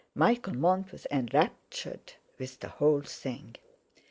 Michael Mont was enraptured with the whole thing.